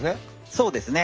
そうですね。